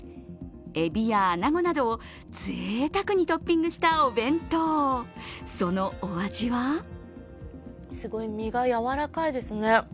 えびやあなごなどをぜいたくにトッピングしたお弁当、そのお味はすごい身がやわらかいですね。